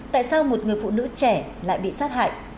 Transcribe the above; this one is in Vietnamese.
tại sao một người phụ nữ trẻ lại bị sát hại